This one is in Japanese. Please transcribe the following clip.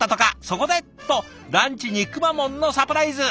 そこで！とランチにくまモンのサプライズ。